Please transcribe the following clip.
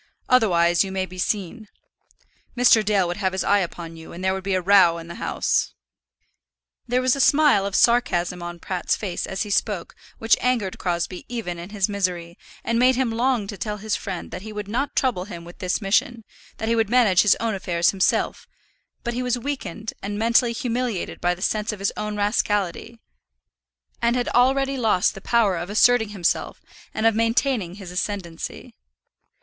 "Otherwise you may be seen. Mr. Dale would have his eye upon you, and there would be a row in the house." There was a smile of sarcasm on Pratt's face as he spoke which angered Crosbie even in his misery, and made him long to tell his friend that he would not trouble him with this mission, that he would manage his own affairs himself; but he was weakened and mentally humiliated by the sense of his own rascality, and had already lost the power of asserting himself, and of maintaining his ascendancy.